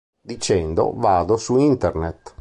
Dicendo: "Vado su internet!